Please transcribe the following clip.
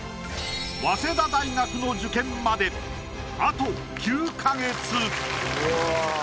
早稲田大学の受験まであと９か月うわ！